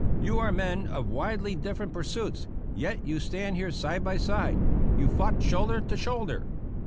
You are men of widely different pursuits, yet you stand here side by side; you fought shoulder to shoulder.